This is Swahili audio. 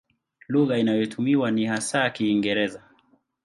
Lugha inayotumiwa ni hasa Kiingereza.